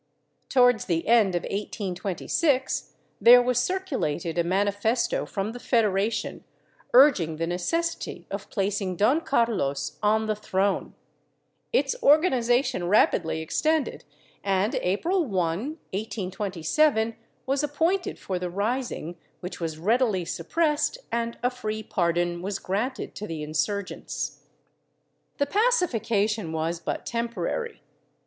Towards the end of 1826 there was circulated a manifesto from the Federation urging the necessity of placing Don Carlos on the throne; its organization rapidly extended, and April 1, 1827, was appointed for the rising, which was readily suppressed and a free pardon was granted to the insurgents. The pacification was but temporary.